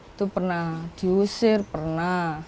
itu pernah diusir pernah